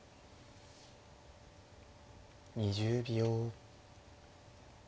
２０秒。